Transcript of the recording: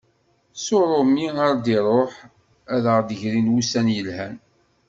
S urumi ar d iruḥ, ad aɣ-d-grin wussan yelhan.